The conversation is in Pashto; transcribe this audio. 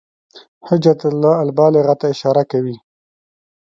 حجة الله البالغة ته اشاره کوي.